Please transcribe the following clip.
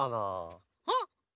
あっ！